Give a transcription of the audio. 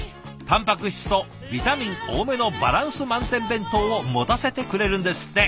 たんぱく質とビタミン多めのバランス満点弁当を持たせてくれるんですって。